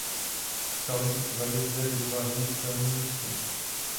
Skalní útvary zde vytvářejí skalní město.